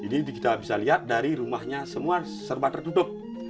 jadi kita bisa lihat dari rumahnya semua serba tertutup